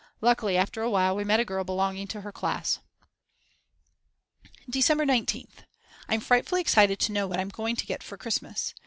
Luckily after awhile we met a girl belonging to her class. December 19th. I'm frightfully excited to know what I'm going to get for Christmas.